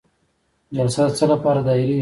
جلسه د څه لپاره دایریږي؟